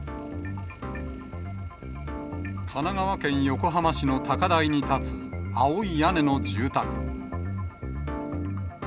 神奈川県横浜市の高台に建つ、青い屋根の住宅。